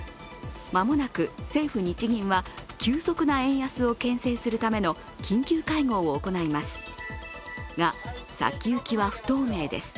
間もなく政府・日銀は急速な円安をけん制するための緊急会合を行います。